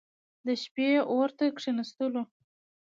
د شپې اور ته کښېنستلو.